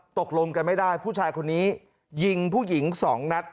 ตกลงกันไม่ได้ผู้ชายคนนี้ยิงผู้หญิงสองนัด